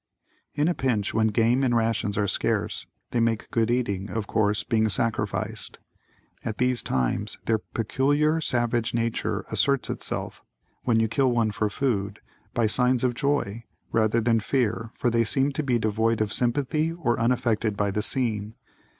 In a pinch, when game and rations are scarce, they make good eating, of course, being sacrificed. At these times, their peculiar savage nature asserts itself, when you kill one for food, by signs of joy, rather than fear for they seem to be devoid of sympathy or unaffected by the scene.